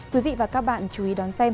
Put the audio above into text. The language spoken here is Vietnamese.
quý vị và các bạn chú ý đón xem